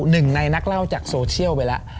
หนึ่งในนักเล่าจากโซเชียลไปแล้ว